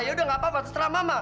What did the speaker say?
yaudah gak apa apa seterah mama